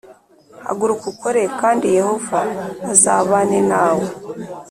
Haguruka ukore kandi Yehova azabane nawe